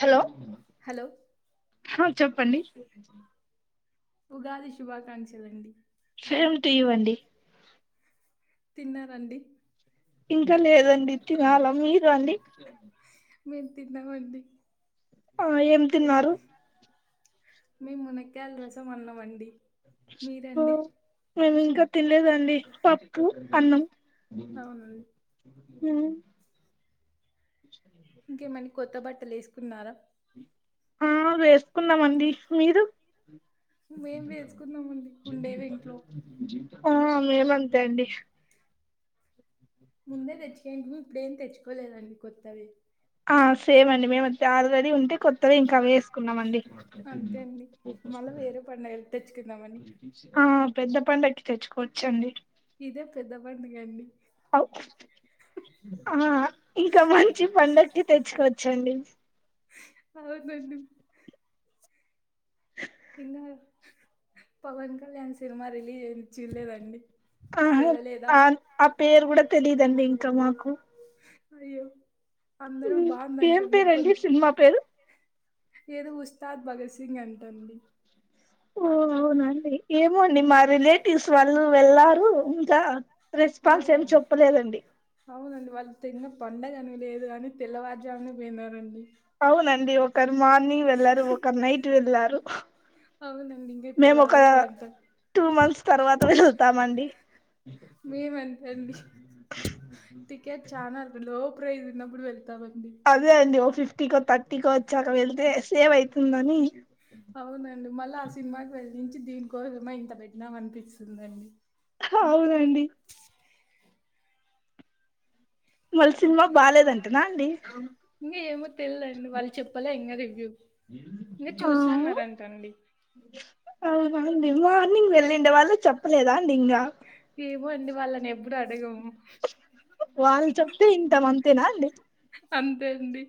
Hello hello హా చెప్పండి ఉగాది శుభాకాంక్షలండి సేమ్ టూ యూ అండి తిన్నారండి ఇంకా లేదండి తినాల మీరు అండి మేమ్ తిన్నమండి అ ఏం తిన్నారు మేమ్ మునక్కయలు రసం అన్నం అండి మీరండి మేము ఇంక తినలేదండి పప్పు అన్నం అవున అండి ఊ ఇంకేమండి కొత్త బట్టలు ఏసుకున్నారా ఆ వేసుకున్నమండి మీరు [inaudible] మేము వేసుకున్నామండి ఉండేవి ఇంట్లో అ మేమఅంతే అండి ముందే తెచ్చు ఇప్పుడేం తెచ్చుకోలేదండి కొత్తవి అ సేమండి మేముతే ఆల్రెడీ ఉంటే కొత్తవి ఇంక అవే వేసుకున్నామండి అంతే అండి మళ్ళీ వేరే పండుగలు తెచ్చుకుందామని అ పెద్ద పండకి తెచ్చుకోచ్చండి ఇదే పెద్ద పండక అ ఆ ఇంకా మంచి పండ్ తెచ్చుకోచ్చండి అవునండి ఇంకా పవన్ కళ్యాణ్ సినిమా రిలీజ్ ఇచ్చీర్ చూడలే అండి ఆహ ఆ అ పేరు కూడా తెలీదండి ఇంకా మాకు అయ్యో అందరూ బాగుందంట ఏం అంద పేరండి కొన్ని సినిమా పేరు ఏదో ఉస్తాద్ భగత్ సింగ్ అంటండి ఓ అవునండి ఏమోండి మా రిలేటివ్స్ వాళ్ళు వెళ్లారు ఇంకా రెస్పాన్స్ ఏం అవునండి చెప్పలేదండి అవునండి వాళ్ళు తిన్న పండగని లేదు గనీ తెల్లవారుజామున పొయినార అండి అవునండి ఒకరు మార్నింగ్ వెళ్లారు ఒకరు నైట్ వెళ్లారు అవునండి ఇంకా ఇప్పుడు మేము ఒక రాలేదంట టూ మంత్స్ తర్వాత వెళ్తామండి మేమంతే అండి టికెట్ చాలా లో ప్రైస్ ఉన్నప్పుడు వెళ్ళ అదే అండి ఓ ఫిఫ్టీకో థర్టీకో వచ్చాక వెళ్తే సేవ్ ఐతుందని అవునండి మళ్ళ ఆ సినిమాకి వెళ్ళించి దీనికోసమ ఇంత పెట్టినామ అనిపిస్తుంది అండి అవునండి మల్ సినిమా బాలేదంట నా అండి ఇంకా ఏమో తెలిదండి వాళ్ళు చెప్పలే ఇంక రివ్యూ ఇంకా ఆ చూసాన్నారంటండి మార్నింగ్ మార్నింగ్ వెళ్ళిండే వాళ్లు చెప్పలేదాండి ఇంకా ఏమో అండి వాళ్ళని ఎప్పుడు అడగము వాళ్ చప్తే ఇంతం అంతేనా అండి అంతే అండి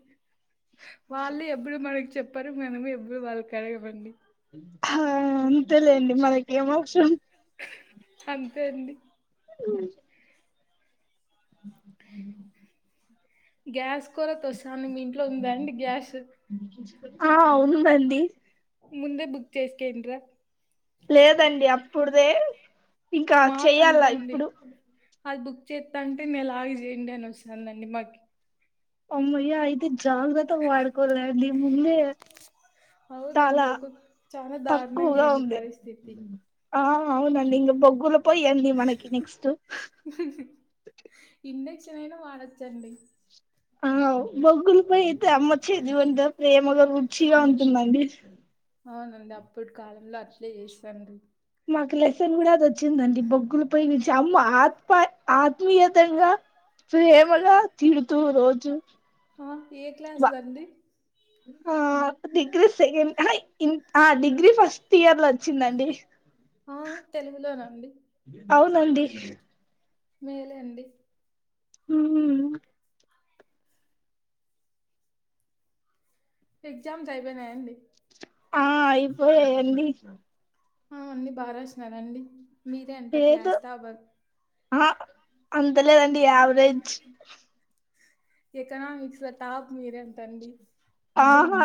వాళ్ళు ఎప్పుడు మనకి చెప్పరు మేనము ఎప్పుడు వాళ్ళను అడిగామండి హ అంతేలేండి మనకేం అవసరం అంతే అండి అ గ్యాస్ కొరత వస్తాంది మీ ఇంట్లో ఉందాండి గ్యాస్ ఆ ఉంది అండి ముందే బుక్ చేస్కేంటరా లేదండి అప్పుడుదే ఇంకా చెయ్యాలా ఇప్పుడు మా ది బుక్ చేత్తంటే నేలాగి చేయండి అని వస్తందండి మాకి అమ్మయ్య అయితే జాగ్రత్త వాడుకోలండి ముందే అవునండి తలా ఒక చాలా దారుణంగా తక్కువగా అయింది ఉంది పరిస్థితి. ఆ అవునండి ఇంగ బొగ్గుల పొయ్యండి మనకి నెక్స్ట్ కొంచమైనా వాడొచ్చండి ఆ బొగ్గులుపై అయితే అమ్మ చేతివంట ప్రేమగా రుచిగా ఉంటుందండి అవునండి అప్పుడు కాలం మాకులే కూడా అది వచ్చిందండి బొగ్గుల పొయ్యి నుంచి అమ్మ ఆత్మ ఆత్మీయతంగా ప్రేమలో తిడుతూ రోజు అ ఏ క్లాస్దండి ఆ డిగ్రీ సెకండ్ అహ ఇంట్ ఆ డిగ్రీ ఫస్ట్ ఇయర్ ల వచ్చిందండి ఆ తెలుగులోనండి అవునండీ మేలే అండి హూ ఎగ్జామ్స్ అపోనయండి ఆ ఇప్పు ఎందు అన్నీ బాగ్ రాసినర అండి మీరే అంట లేదు క్లాస్ టాపర్ ఆ అంతలేదండి యావరేజ్ ఎకనమక్స్ లో టాప్ మీర అంటండడి ఆహా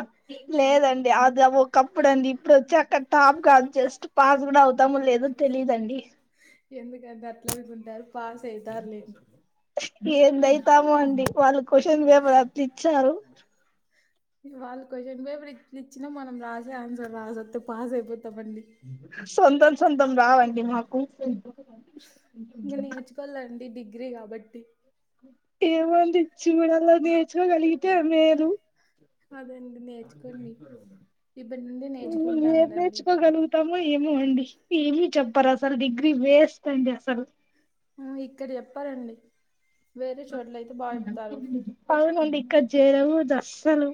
లేదండి అది ఒకప్పుడు అండి ఇప్పుడు వచ్చి అక్కడ టాప్ కాదు జస్ట్ పాస్ కూడా అవుతామ లేదోని తెలిదుండి ఎందుకంటే అట్లా తంటారు పాస్ అయితారులేంటి ఏందవుతాము అండి వాళ్ళు క్వశ్చన్ పేపర్ అప్ప ఇచ్చారు వాళ్ళు్వ్చన్ పోయి ఇప్పుడు ఇ ఇచ్చినా మనం రాసే ఆన్సర్ రాసిస్తే పాస్ అయిపో కొత్తవండి సొంతం సొంతం రావండి మాకు ఇంక నేర్చుకోవాలండి డిగ్రీ కాబట్టి ఏమంది చూ నేచ కలిగితే మేరు అదండి నేర్చుకోండి ఇప్పటి నుండి నేర్చుకుంటాండండి మ ఏమో అండి ఏమి చెప్పారు అసలు డిగ్రీ వేస్ అండి అసలు ఇక్కడ చెప్పారండి వేరే చోట్లయితే బాగా చెప్తారు గ జరవు దస్సలు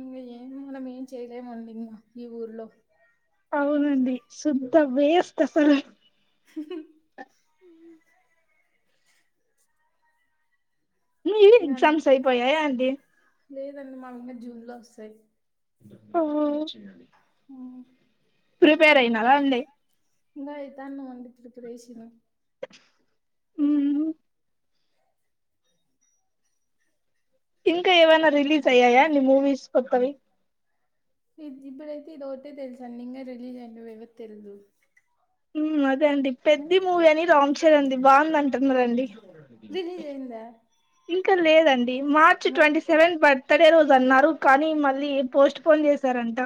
ఇ ఏ మనం ఏం చేయలేేమనల ఈ ఊర్లో అవునండి శుద్ధ వేస్ట్ అసలు హు హ్మ్ ను ఇంగ ఎగ్జామ్స్ అయిపోయాయా అండి లేదండి మామగా జూన్ లో వస్తాయి ఆ ప్రిపేర్ అయి నాలా ఉంద ఇంకా ఇతాన్న వందిట్టుకు రేష ను ఉమ్ ఇంకా ఏవైనా రిలీస్ అయ్యాయా ని మూవీస్ కొతవి ఇ ఇప్పుడ అయితే ఇది ఒకటే తెలుసాను నింగా రిలీజ్ అయినవ తెలీదు అదే అండి పెద్ద మూవీ అని రామ్ చరణ్ అండి బాగుంది అంటున్నడి బని హజానందా లేదండి మార్చ్ ట్వంటీ సెవెన బర్త్ అత్తడే రోజు అన్నారు కానీ మళ్ళీ పోస్ట్ పోన్ చేశారంట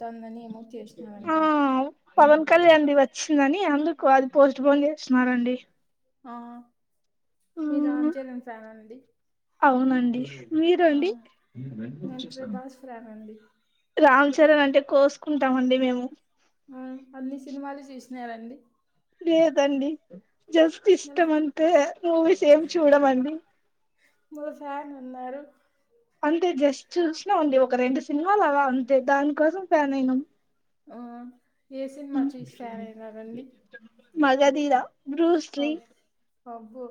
తందని ఏమో చే చేసినంట ఆ పవన్ కళ్యాణ్ది వచ్చిందని అందుకు అది పోస్ట్ బోన్ చేస్తున్నారండి ఆ మీ రామ్ చరణ్ ఫ్యాన్ అండి అవునండి మీరు ఆ అండి నేను ప్రభాస్ ఫ్యాన్ అండి సరేన అంటే కోసుకుంటామ అండి మేము ఆ అన్ని సినిమాలు చూసినారండి లేదండి జస్ట్ మళ్ళ ఇష్టం అంతే మూవీస్ ఏమి చూడ అండి ముసాని ఉన్నారు అంతే జస్ట్ చూసినా ఉంది ఒక రెండు సినిమాలు అలా అంతే దానికోసం ఫ్యాన్ అయినాం ఆ వేసింది మా చసి ఫ్యాన్ అయి కదండి మగధిరా బ్రూస్లీ అబ్బో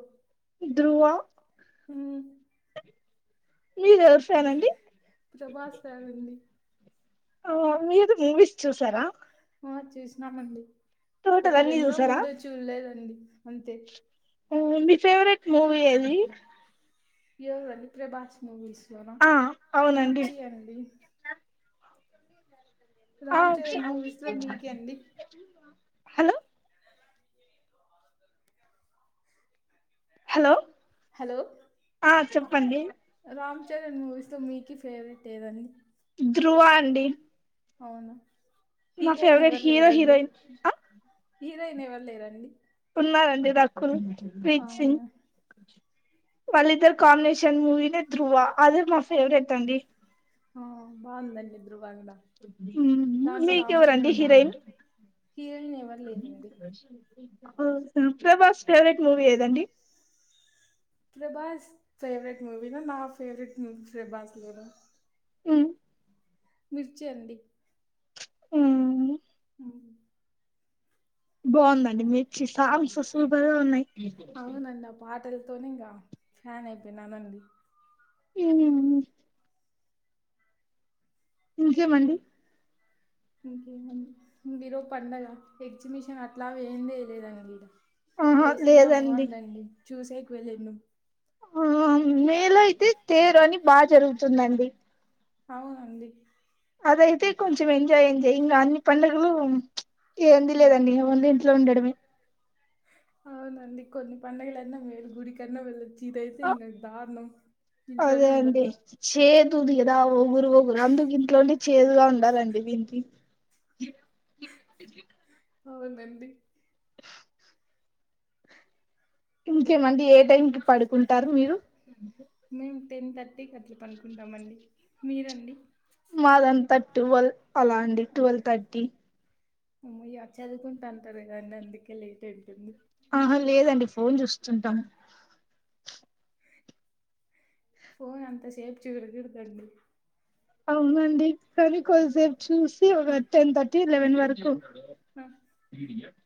ధ్రువ హ్మ్ మీరెవరు ఫ్యాన్ అండి ప్రభాస్ ఫ్యాన్ అండీ. ఆ మీరు మూవీస్ చూసారా? ఆ చూసినామండి. ఒక టోటల్ అన్ని రెండో చూసారా మూడో చూడలేదండి అంతే. మీ ఫేవరెట్ మూవీ ఏది? ఏవరివి అండి ప్రభాస్ మూవీస్ లోనా ఆ అవునండి మిర్చి అండి. ఆ రామ్ చరణ్ మూవీస్ లో మీకే అండి హలో హలో హలో ఆ చెప్పండి. రామ్ చరణ్ మూవీస్ లో మీకి ఫేవరెట్ ఏదండి? ధ్రువ అండి. అవును. మా ఫేవరెట్ హీరో హీరోయిన్ అ హీరోయిన్ ఎవరు లేరండి. ఉన్నారండి రకుల్. అవునా వాళ్లిద్దరూ కాంబినేషన్ మూవీనే ధ్రువ అదే మా ఫేవరెట్ అండి. ఆ బావుందండి ధ్రువ కూడ. మ్మ్ దాంట్లో రామ్ మీకెవరండి చరణ్ హీరోయిన్ బావున్నాడు. హీరోయిన్ ఎవరు లేరండి. ఆ ప్రభాస్ ఫేవరెట్ మూవీ ఏదండి? ప్రభాస్ ఫేవరెట్ ముూవీనా నా ఫేవరెట్ మూవీ ప్రభాస్ లోనా ఉమ్ మిర్చి అండి. ఊమ్ ఉమ్. బావుందండి మిర్చి. సాంగ్స్ సూపర్గా ఉన్నాయి. అవునండి ఆ పాటలతోనే ఇగా ఫ్యాన్ అయిపోయినానండి. ఊమ్ ఇంకేమండి. ఇంకేమండి ఈ రోజు పండగా ఎగ్జిబిషన్ అట్లాగా ఎం లేదండి. ఆహా ఎసిన్నా లేదండి బావుందండి చూసేకి వెళ్ళినం. ఆ మేలో అయితే తేరు అని బాగా జరుగుతుందండి. అవునండి. అది అయితే కొంచెం ఎంజాయ్ ఎంజాయ్ ఇంగా అన్ని పండగలు చ్ ఏంది హ్మ్ లేదండి ఓన్లీ ఇంట్లో ఉండడమే. అవునండి కొన్ని పండగలన్నా మేలు గుడికన్నా వెళ్ళొచ్చు. ఇదైతే ఇంగా దారుణం ఇంట్లోనే ఉండలా. ఉంది కదా ఒగురు ఒగురు అందుకు ఇంట్లోడి చేదుగా ఉండాలండి దీనికి. అవునండి. ఇంకేమండి? ఏ టైం కి పడుకుంటారు మీరు? మేము టెన్ థర్టీకి అట్లా పడుకుంటామండి. మీరండి? మాదంతా ట్వెల్ అలా అండి ట్వెల్వ్ థర్టీ హ్మ్ యా చదువుకుంట అంటారుగా అండి అందుకే లేట్ అయిఉంటుంది. ఆహా లేదండి ఫోన్ చూస్తుంటాం. ఫోన్ అంత సేపు చూడకూడదండి. అవునండి కానీ కొద్దిసేపు చూసి ఒక టెన్ థర్టీ లెవెన్ వరకు అహ్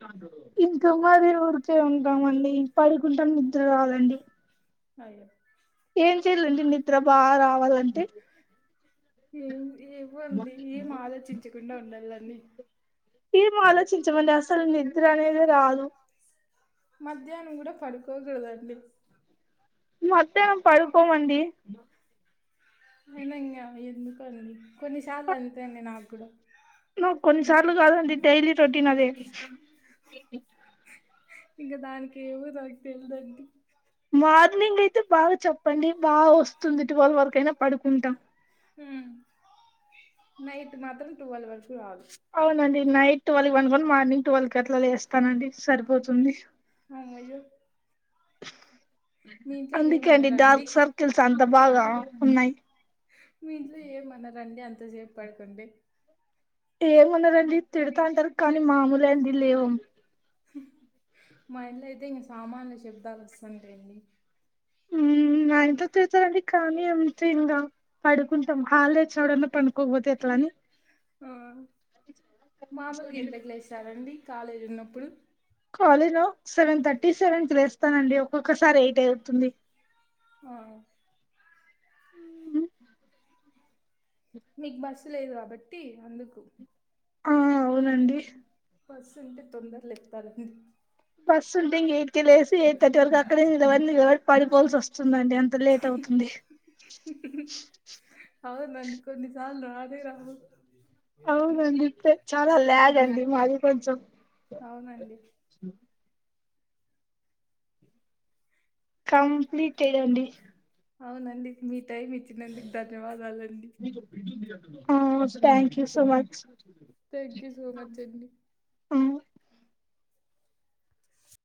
[inaudible] ఇంకా మరి ఊరికే ఉంటామండి పడుకుంటే నిద్ర రాదండి. అయ్యొ ఏం చెయలండి నిద్ర బా రావాలంటే ఏం ఏవోండి ఏం ఆలోచించకుండా ఉండాలండి ఏం ఆలోచించమండి అసలు నిద్ర అనేదే రాదు మధ్యాహ్నం కూడా పడుకోకదండి. మధ్యాహ్నం పడుకోమండి అయినా ఇంగ ఎందుకండి కొన్నిసార్లు అంతే అండి నాక్ కూడా నాక్ కొన్నిసార్లు కాదండి డైలీ రొటీన్ అదే ఇంక దానికెవో దానిక్ తెల్దండి. మార్నింగ్ అయితే బాగా చెప్పండి బాగా వస్తుంది ట్వల్వ్ వరకయినా పడుకుంటాం ఉమ్ నైట్ మాత్రం టువల్ వరకు రాదు అవునండి నైట్ టువెల్ వండుకొని మార్నింగ్ టువెల్కి అట్లా లేేస్తానండి సరిపోతుంది. అమ్మయ్యో మీ ఇంట్లో అందుకే అండి ఏమనరండి డార్క్ సర్కిల్స్ అంత బాగా ఉన్నయి మీ ఇంట్లో ఏమనరండి అంతసేపు పడుకుంటే ఏమనరండి తిడతాంటరు కానీ మామూలే అండి లేవం ఉహ్ మా ఇంట్ల అయితే ఇంక సామాన్లు శబ్దాలు వస్తుంటాయి అండి. మా ఇంట్ల తిడతారండి కానీ అంతే ఇంగ పడుకుంటాం హాల్డే వచ్చిన గూడన్న పండుకోకపోతే ఎట్ల అని ఆ మామూలుగా ఎందుక్ లేస్తారండి కాలేజ్ ఉన్నప్పుడు కాలేజ్లో సెవెన్ థర్టీ సెవెన్కి లేస్తానండి. ఒక్కొక్కసారి ఎయిట్ అయితుంది ఆ మీక్ బస్సు లేదు కాబట్టి అందుకు ఆ అవునండి బస్సు ఉంటే తొందర్ లేత్తరండి బస్సు ఉంటే ఇంగ ఎయిట్కి లేసి ఎయిట్ థర్టీ వరకు అక్కడే నిలవడి నిలబడి పడిపొవాల్సి వస్తుందండి అంత లేట్ అవుత్ ఉంది హ్ హు అవునండి కొన్ని సార్లు రానేరావు అవునండి కొంచం చాలా ల్యాగ్ అండి మాది కొంచం అవునండి కంప్లీటెడండి. అవునండి మీ టైం ఇచ్చినందుకు ధన్యవాదాలు అన్ ఆ స్ thank you so much thank you so much అండి ఉమ్